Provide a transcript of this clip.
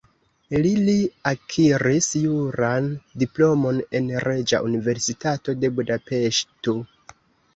Li li akiris juran diplomon en Reĝa Universitato de Budapeŝto.